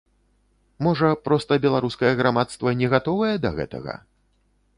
Можа, проста беларускае грамадства не гатовае да гэтага?